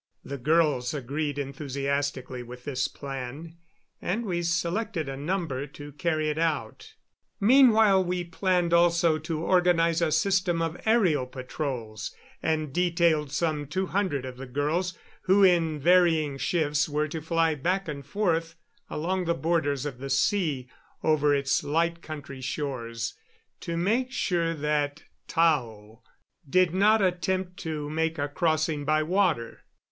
The girls agreed enthusiastically with this plan, and we selected a number to carry it out. Meanwhile we planned also to organize a system of aërial patrols, and detailed some two hundred of the girls, who in varying shifts were to fly back and forth along the borders of the sea over its Light Country shore, to make sure that Tao did not attempt to make a crossing by water.